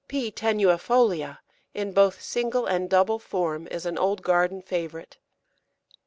P. tenuifolia, in both single and double form, is an old garden favourite.